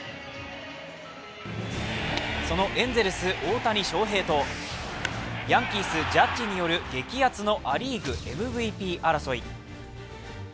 そのエンゼルス・大谷翔平とヤンキース・ジャッジによる激アツのア・リーグＭＶＰ争い。